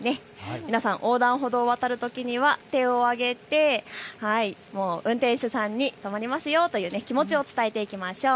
皆さん横断歩道を渡るときには手を上げて運転手さんに止まりますよという気持ちを伝えていきましょう。